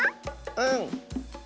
うん！